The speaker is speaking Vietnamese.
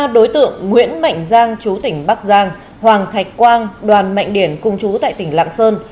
ba đối tượng nguyễn mạnh giang chú tỉnh bắc giang hoàng thạch quang đoàn mạnh điển cùng chú tại tỉnh lạng sơn